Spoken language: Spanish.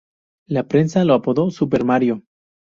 La prensa lo apodó "Super Mario".